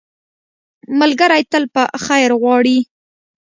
ملګری تل په خیر غواړي